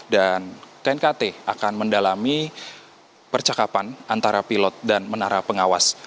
dan knkt akan mendalami percakapan antara pilot dan menara pengawas